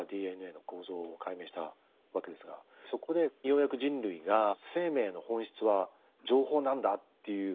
ＤＮＡの構造を解明したわけですがそこでようやく人類が生命の本質は情報なんだということに気付いたんですよね。